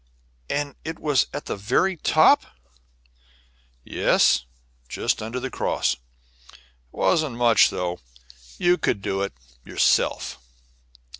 "And it was at the very top?" "Yes, just under the cross. It wasn't much, though; you could do it yourself."